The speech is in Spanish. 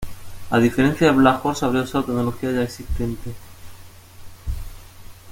A diferencia del Black Horse, habría usado tecnología ya existente.